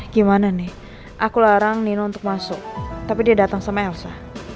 gimana nih aku larang nino untuk masuk tapi dia datang sama elsa